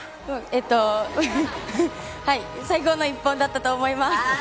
最高の一本だったと思います。